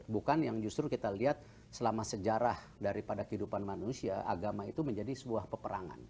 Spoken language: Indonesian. bukan yang justru kita lihat selama sejarah daripada kehidupan manusia agama itu menjadi sebuah peperangan